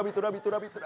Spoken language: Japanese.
「ラヴィット！」